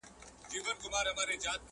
خپل کمال به د څښتن په مخ کي ږدمه٫